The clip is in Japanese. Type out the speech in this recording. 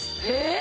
え！